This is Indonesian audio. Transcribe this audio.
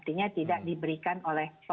tidak diberikan oleh